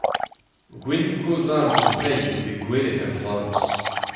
Gouennoù kozh all eus Breizh zo bet gwelet er saloñs.